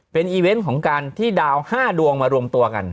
เป็นอีเวนต์ของการที่ดาว๕ดวงมารวมตัวกัน